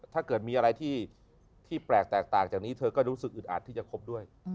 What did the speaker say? ถ้าเกิดมีอะไรที่แปลกแตกต่างจากนี้เธอก็รู้สึกอึดอัดที่จะคบด้วย